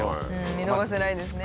見逃せないですね。